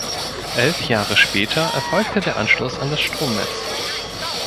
Elf Jahre später erfolgte der Anschluss an das Stromnetz.